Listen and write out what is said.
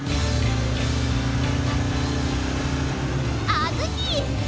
あずき！